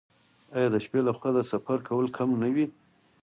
آیا د شپې لخوا د سفر کول کم نه وي؟